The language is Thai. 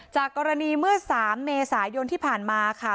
จากกรณีเมื่อ๓เมษายนที่ผ่านมาค่ะ